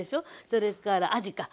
それからあじか。